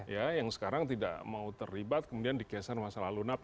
ya yang sekarang tidak mau terlibat kemudian di kiasaan masa lalu